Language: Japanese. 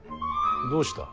どうした。